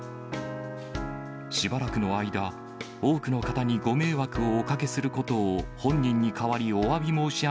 しばらくの間、多くの方にご迷惑をお掛けすることを、本人に代わりおわび申し上